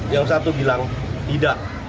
yang satu bilang tidak